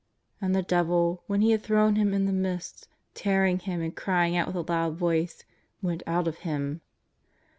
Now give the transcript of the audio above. And the devil, when he had thrown him in the midst, tearing him and crying out with a loud voice, went out of him.